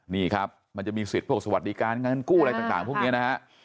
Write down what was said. นี่ครับมันจะมีสิทธิ์พวกสวัสดิการเงินกู้อะไรต่างพวกนี้นะฮะ